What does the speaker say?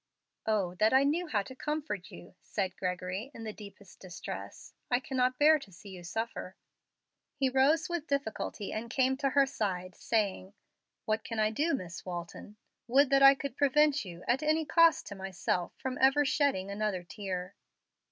"Oh that I knew how to comfort you!" said Gregory, in the deepest distress. "I cannot bear to see you suffer." He rose with difficulty and came to her side, saying, "What can I do, Miss Walton? Would that I could prevent you, at any cost to myself, from ever shedding another tear!"